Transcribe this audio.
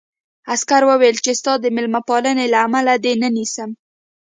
عسکر وویل چې ستا د مېلمه پالنې له امله دې نه نیسم